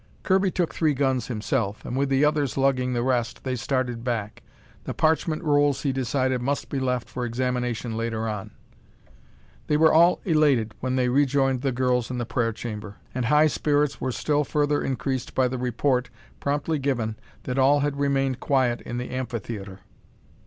Kirby took three guns himself, and with the others lugging the rest, they started back. The parchment rolls, he decided, must be left for examination later on. They were all elated when they rejoined the girls in the prayer chamber, and high spirits were still further increased by the report, promptly given, that all had remained quiet in the amphitheatre.